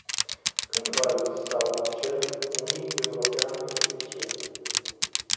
Când va exista un cer unic european eficient?